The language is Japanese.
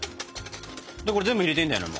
これ全部入れていいんだよね？